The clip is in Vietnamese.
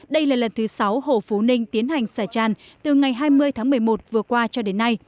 đây là lần thứ sáu hồ phú ninh tiến hành xả tràn từ ngày hai mươi tháng một mươi một vừa qua cho đến nay